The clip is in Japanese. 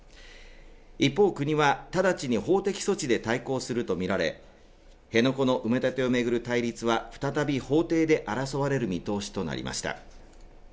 一方、国は直ちに法的措置で対抗すると見られ辺野古の埋め立てをめぐる対立は再び法廷で争われる見通しとなりました